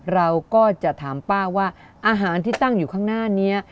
เราก็จะถามป้าว่าอาหารที่ตั้งอยู่ข้างหน้านี้